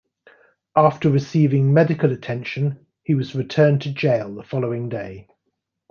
After receiving medical attention, he was returned to jail the following day.